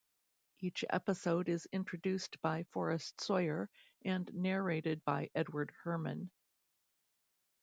Each episode is introduced by Forrest Sawyer and narrated by Edward Herrmann.